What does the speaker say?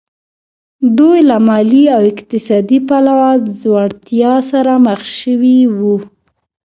دوی له مالي او اقتصادي پلوه ځوړتیا سره مخ شوي وو